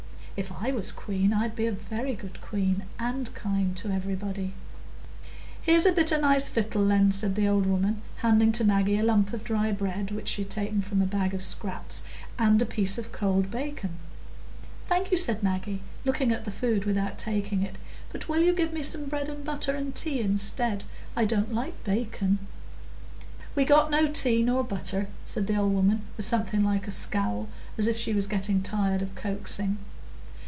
If I was a queen, I'd be a very good queen, and kind to everybody." "Here's a bit o' nice victual, then," said the old woman, handing to Maggie a lump of dry bread, which she had taken from a bag of scraps, and a piece of cold bacon. "Thank you,' said Maggie, looking at the food without taking it; "but will you give me some bread and butter and tea instead? I don't like bacon." "We've got no tea nor butter," said the old woman, with something like a scowl, as if she were getting tired of coaxing.